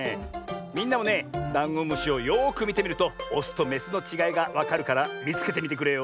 みんなもねダンゴムシをよくみてみるとオスとメスのちがいがわかるからみつけてみてくれよ。